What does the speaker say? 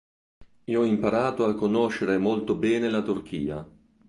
E ho imparato a conoscere molto bene la Turchia.